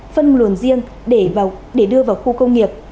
phân luồn riêng để đưa vào khu công nghiệp